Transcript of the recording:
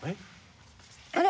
あれ？